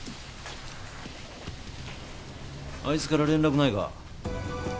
あいつから連絡ないか？